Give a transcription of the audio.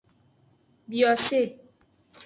Biose.